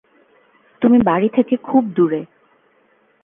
তুমি বাড়ি থেকে খুব দূরে।